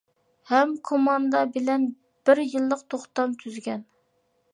ھەم كوماندا بىلەن بىر يىللىق توختام تۈزگەن.